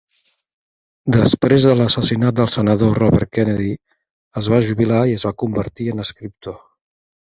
Després de l'assassinat del senador Robert Kennedy, es va jubilar i es va convertir en escriptor.